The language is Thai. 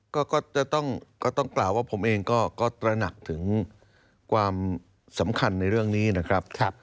ก็จะต้องกล่าวว่าผมเองก็ตระหนักถึงความสำคัญในเรื่องนี้นะครับ